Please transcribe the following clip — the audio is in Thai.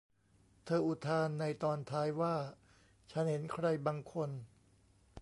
เธออุทานในตอนท้ายว่า ฉันเห็นใครบางคน